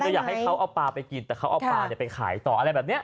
อยากให้เขาเอาปลาไปกินแต่เขาเอาปลาไปขายต่ออะไรแบบนี้